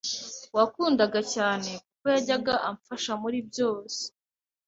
wankundaga cyane kuko yajyaga amfasha muri byose,